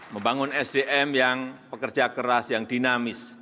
membangun sdm yang pekerja keras yang dinamis